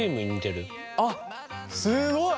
あっすごい！